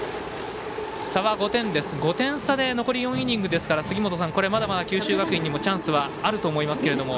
５点差で４イニングですから、まだまだ九州学院にもチャンスはあると思いますけれども。